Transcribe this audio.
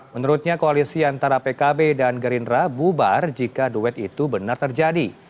menurutnya koalisi antara pkb dan gerindra bubar jika duet itu benar terjadi